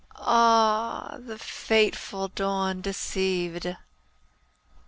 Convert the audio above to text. Ah, the fateful dawn deceived!